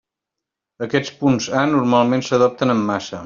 Aquests punts “A” normalment s'adopten en massa.